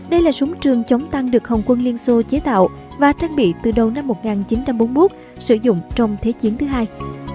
đây là súng trường chống tăng được hồng quân liên xô chế tạo và trang bị từ đầu năm một nghìn chín trăm bốn mươi một sử dụng trong thế chiến thứ hai